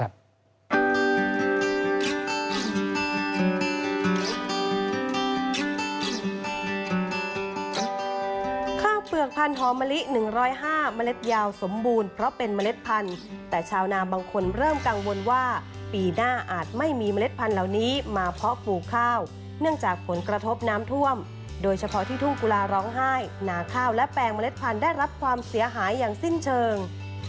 ข้าวเปลือกพันธ์หอมะลิ๑๐๕เมล็ดยาวสมบูรณ์เพราะเป็นเมล็ดพันธุ์แต่ชาวนาบางคนเริ่มกังวลว่าปีหน้าอาจไม่มีเมล็ดพันธุ์เหล่านี้มาเพาะปลูกข้าวเนื่องจากผลกระทบน้ำท่วมโดยเฉพาะที่ทุ่งกุลาร้องไห้หนาข้าวและแปลงเมล็ดพันธุ์ได้รับความเสียหายอย่างสิ้นเชิง